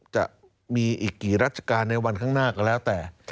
จะมีอีกกี่รัชกาลในวันข้างหน้าก็แล้วแต่